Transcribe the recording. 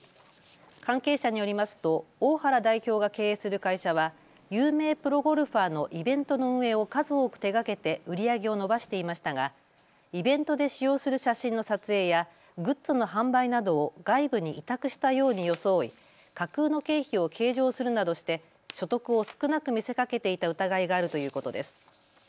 関係者によりますと大原代表が経営する会社は有名プロゴルファーのイベントの運営を数多く手がけて売り上げを伸ばしていましたがイベントで使用する写真の撮影やグッズの販売などを外部に委託したように装い架空の経費を計上するなどして所得を少なく見せかけていた疑いがあるということです。